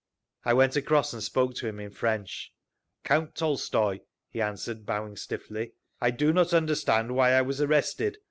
I went across and spoke to him in French. "Count Tolstoy," he answered, bowing stiffly. "I do not understand why I was arrested.